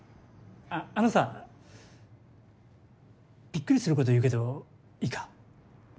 あっあのさびっくりすること言うけどいいか？